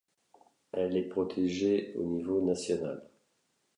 Elle est protégée au niveau national.